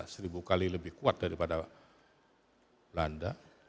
seribu kali lebih kuat daripada belanda